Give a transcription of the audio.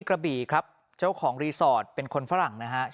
กระบี่ครับเจ้าของรีสอร์ทเป็นคนฝรั่งนะฮะ